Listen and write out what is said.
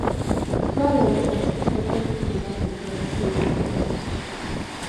Twalowooza nti tusobola okufuniramu bye twali twetaaga.